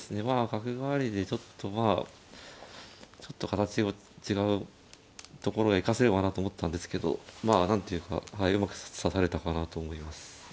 角換わりでちょっとまあちょっと形を違うところへいかせればなと思ったんですけどまあ何ていうかうまく指されたかなと思います。